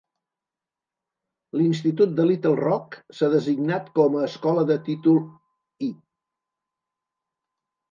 L'institut de Littlerock s'ha designat com a escola de Títol I.